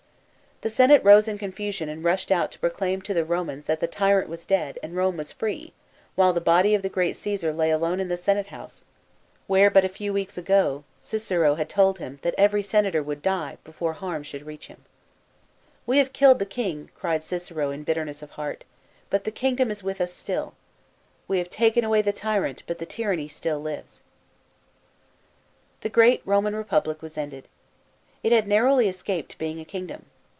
The Senate rose in confusion and rushed out to proclaim to the Romans, that the tyrant was dead, and Rome was free, while the body of the great Cresar lay alone in the senate house, where but a few weeks ago, Cicero had told him, that every senator would die, before harm should reach him. N 194 CAESAR'S HEIR. [B.C. 36. i "We have killed the king," cried ( Cicero in bitterness of heart, " but the kingdom is with us still. We have taken away the tyrant, but the tyranny still lives. " The great Roman Republic was ended. It had narrowly escaped being a kingdom.